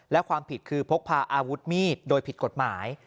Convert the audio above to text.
และความผิดคือพกพาอาวุธมีดโดยผิดกฎหมาย